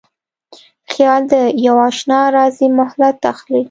خیال د یواشنا راځی مهلت اخلي